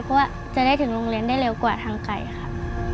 เพราะว่าจะได้ถึงโรงเรียนได้เร็วกว่าทางไก่ค่ะ